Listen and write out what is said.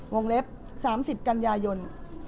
วงเล็บ๓๐กัญญายน